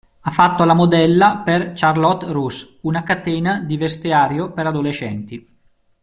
Ha fatto la modella per Charlotte Russe, una catena di vestiario per adolescenti.